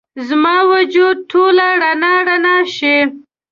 زما وجود ټوله رڼا، رڼا شي